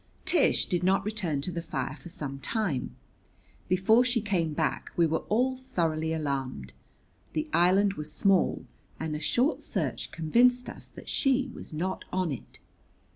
Tish did not return to the fire for some time. Before she came back we were all thoroughly alarmed. The island was small, and a short search convinced us that she was not on it!